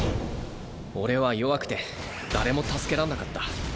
俺は弱くて誰も助けらんなかった。